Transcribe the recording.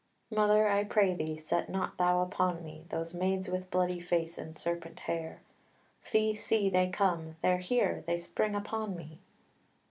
"Mother, I pray thee, set not thou upon me Those maids with bloody face and serpent hair: See, see, they come, they're here, they spring upon me!"